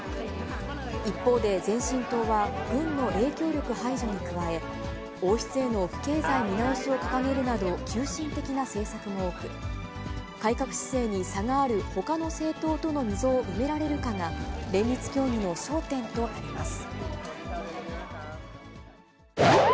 一方で、前進党は、軍の影響力排除に加え、王室への不敬罪見直しを掲げるなど、急進的な政策も多く、改革姿勢に差があるほかの政党との溝を埋められるかが、連立協議の焦点となります。